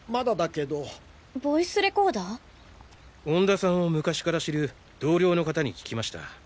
恩田さんを昔から知る同僚の方に聞きました。